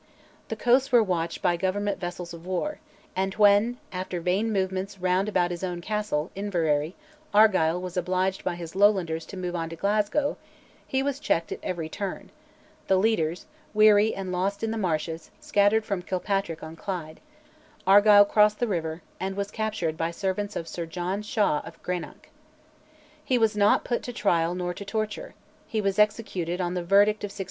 The coasts were watched by Government vessels of war, and when, after vain movements round about his own castle, Inveraray, Argyll was obliged by his Lowlanders to move on Glasgow, he was checked at every turn; the leaders, weary and lost in the marshes, scattered from Kilpatrick on Clyde; Argyll crossed the river, and was captured by servants of Sir John Shaw of Greenock. He was not put to trial nor to torture; he was executed on the verdict of 1681.